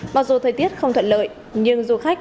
mặc dù thời tiết không thuận lợi nhưng du khách